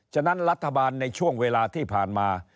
ฉะนั้นรัฐบาลในช่วงเวลาที่ผ่านมา